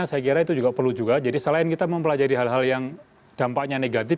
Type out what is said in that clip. saya kira itu juga perlu juga jadi selain kita mempelajari hal hal yang dampaknya negatif